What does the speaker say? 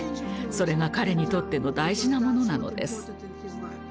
それが彼にとっての大事なものなのです。